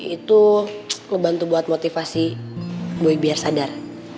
itu ngebantu buat motivasi gue biar sadar